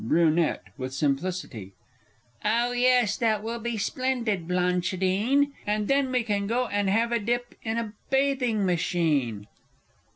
Br. (with simplicity). Oh, yes, that will be splendid, Blanchidine, And then we can go and have a dip in a bathing machine!